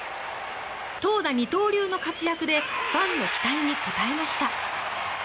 投打二刀流の活躍でファンの期待に応えました。